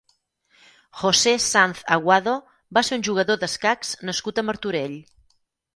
José Sanz Aguado va ser un jugador d'escacs nascut a Martorell.